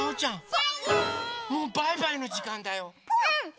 もうバイバイのじかんだよ。